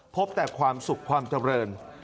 พบแต่ความสุขความเจริญ